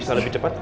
bisa lebih cepat